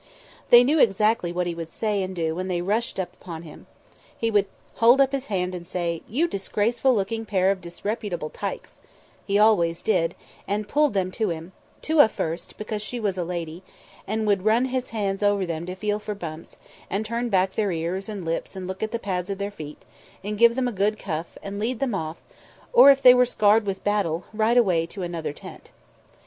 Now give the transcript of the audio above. They knew exactly what He would say and do when they rushed upon Him. He would hold up His hand and say, "You disgraceful looking pair of disreputable tikes" He always did and pull them to Him Touaa first, because she was a lady and would run His hands over them to feel for bumps, and turn back their ears and lips and look at the pads of their feet, and give them a good cuff, and lead them off, if they were scarred with battle, right away to another tent.